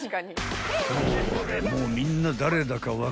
［ほれもうみんな誰だか分かるよね？］